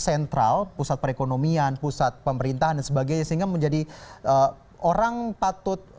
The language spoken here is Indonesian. sentral pusat perekonomian pusat pemerintahan dan sebagainya sehingga menjadi orang patut